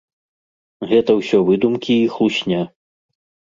Гэта ўсё выдумкі і хлусня.